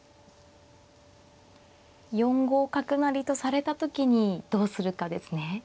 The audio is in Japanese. ４五角成とされた時にどうするかですね。